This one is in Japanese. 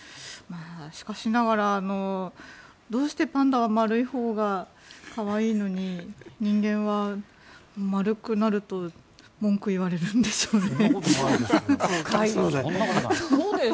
しかしながら、どうしてパンダは丸いほうが可愛いのに人間は丸くなると文句を言われるんでしょうね。